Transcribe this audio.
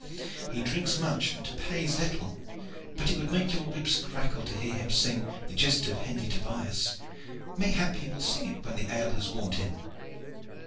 He drinks much and pays little but it would make your ribs crackle to hear him sing the 'Jest of Hendy Tobias.' Mayhap he will sing it when the ale has warmed him."